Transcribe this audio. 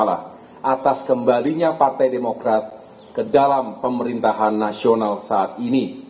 atas kembalinya partai demokrat ke dalam pemerintahan nasional saat ini